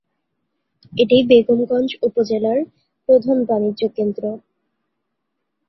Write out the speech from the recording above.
এটি বেগমগঞ্জ উপজেলার প্রধান বাণিজ্য কেন্দ্র।